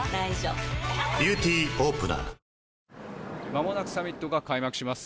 まもなくサミットが開幕します。